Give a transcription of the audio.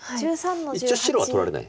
一応白は取られない。